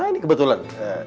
nah ini kebetulan